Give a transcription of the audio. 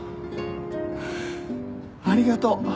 ありがとう。